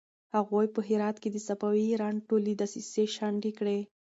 هغوی په هرات کې د صفوي ایران ټولې دسيسې شنډې کړې.